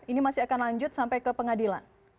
ini masih akan lanjut sampai ke pengadilan